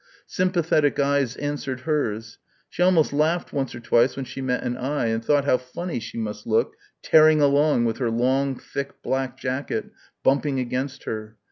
Sympathetic eyes answered hers. She almost laughed once or twice when she met an eye and thought how funny she must look "tearing along" with her long, thick, black jacket bumping against her....